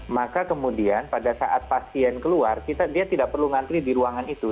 maka kemudian pada saat pasien keluar dia tidak perlu ngantri di ruangan itu